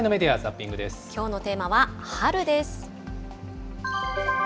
きょうのテーマは春です。